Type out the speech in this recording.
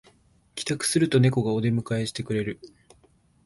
帰宅するとネコがお出迎えしてくれる